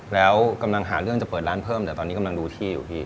แล้วกำลังหาเรื่องจะเปิดร้านเพิ่มแต่ตอนนี้กำลังดูที่อยู่พี่